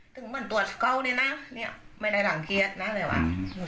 ถึงมันตรวจเขาเนี้ยน่ะเนี้ยไม่ได้หลังเกียจน่ะเลยว่ะอืม